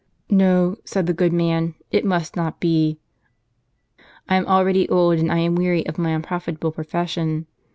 "JS'o," said the good man, "it must not be. I am already old, and I am weary of my unprofitable profession.